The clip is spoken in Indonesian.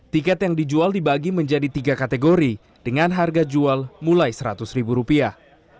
tiket yang dijual dibagi menjadi tiga kategori dengan harga jual mulai seratus ribu rupiah